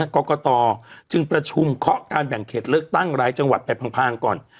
กรกตจึงประชุมเคาะการแบ่งเขตเลือกตั้งรายจังหวัดไปพังก่อน